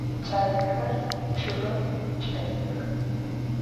Ç'alexer ççıgım çç'esıx.